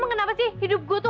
dong kenapa sih hidup gua tuh